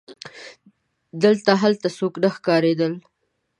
دلته هلته څوک نه ښکارېدل.